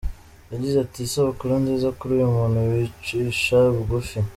Yagize ati “Isabukuru nziza kuri uyu muntu wicisha bugufi.